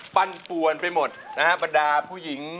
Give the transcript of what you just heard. ปั่นไปหมดภรรดาผู้หญิง